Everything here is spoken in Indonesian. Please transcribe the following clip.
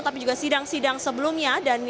tapi juga sidang sidang sebelumnya